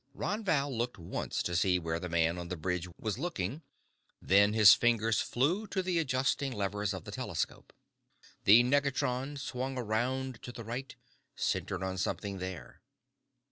Ron Val looked once to see where the man on the bridge was looking, then his fingers flew to the adjusting levers of the telescope. The negatron swung around to the right, centered on something there.